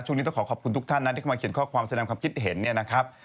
ต้องขอขอบคุณทุกท่านนะที่เข้ามาเขียนข้อความแสดงความคิดเห็นเนี่ยนะครับ